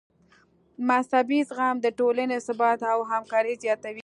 مذهبي زغم د ټولنې ثبات او همکاري زیاتوي.